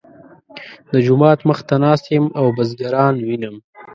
د جومات مخ ته ناست یم او بزګران وینم.